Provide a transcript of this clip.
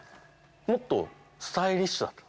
もっとスタイリッシュだった。